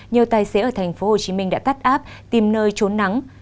nhiều tài xế ở thành phố hồ chí minh đã tắt áp tìm nơi trốn nắng